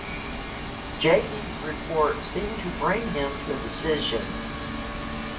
Jaikie's report seemed to bring him to a decision.